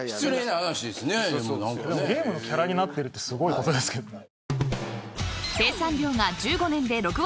ゲームのキャラになってるのはすごいことですけどね。